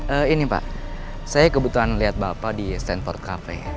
eee ini pak saya kebutuhan liat bapak di stanford cafe